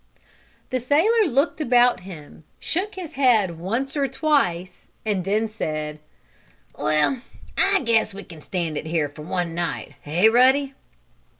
The sailor looked about him, shook his head once or twice, and then said: "Well, I guess we can stand it here for one night, eh, Ruddy?"